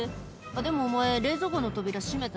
でもお前冷蔵庫の扉閉めた？」